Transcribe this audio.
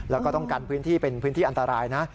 แล้วก็ต้องกันพื้นที่เป็นพื้นที่อันตรายนะ